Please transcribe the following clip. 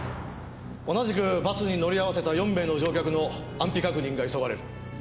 同じくバスに乗り合わせた４名の乗客の安否確認が急がれる。